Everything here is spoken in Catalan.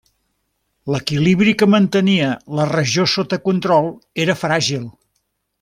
L'equilibri que mantenia la regió sota control era fràgil.